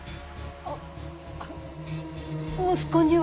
あっあの息子には？